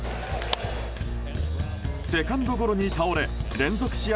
セカンドゴロに倒れ連続試合